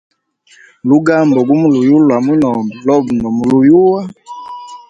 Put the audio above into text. Lugambo gumuyuwa lwa mwinobe lobe lugambo ndomuyuwa.